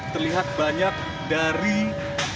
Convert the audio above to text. terlihat banyak dari pekerja atau karyawan dari gedung dpr mpr ini